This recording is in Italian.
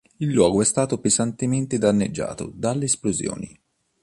Il luogo è stato pesantemente danneggiato dalle esplosioni.